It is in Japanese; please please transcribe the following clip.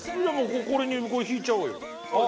これに敷いちゃおうよ。